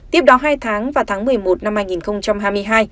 tiếp đó hai tháng vào tháng một mươi một năm hai nghìn hai mươi hai